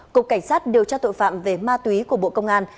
cục cảnh sát điều tra tội phạm về ma túy của bộ công an